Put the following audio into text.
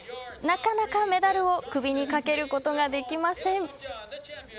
なかなかメダルを首にかけることができません。